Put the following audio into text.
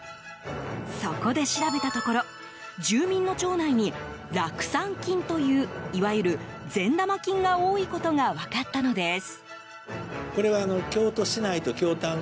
そこで調べたところ住民の腸内に酪酸菌という、いわゆる善玉菌が多いことが分かったのです。